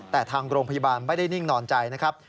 แต่ทางโรงพยาบาลไม่ได้นิ่งนอนใจนะครับ